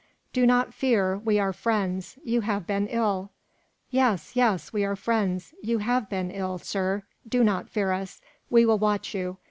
"Do not fear! we are friends: you have been ill!" "Yes, yes! we are friends: you have been ill, sir. Do not fear us; we will watch you.